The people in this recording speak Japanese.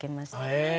へえ。